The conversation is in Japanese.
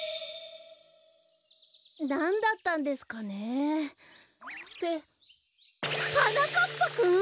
なんだったんですかねってはなかっぱくん！？